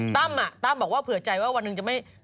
ตั้มบอกว่าเผื่อใจว่าวันหนึ่งจะไม่